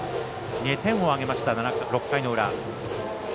２点を挙げました、６回の裏。